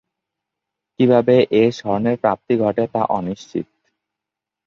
কিভাবে এই স্বর্ণের প্রাপ্তি ঘটে তা অনিশ্চিত।